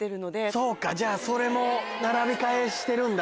そうかじゃあそれも並び替えしてるんだ。